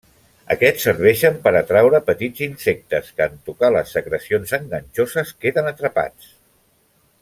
Aquests serveixen per atraure petits insectes, que en tocar les secrecions enganxoses queden atrapats.